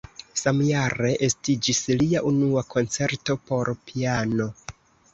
Samjare estiĝis lia unua koncerto por piano.